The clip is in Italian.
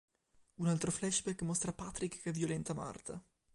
Un altro flashback mostra Patrick che violenta Martha.